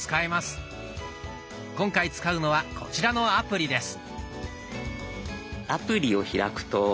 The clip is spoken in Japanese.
今回使うのはこちらのアプリです。